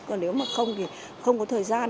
còn nếu mà không thì không có thời gian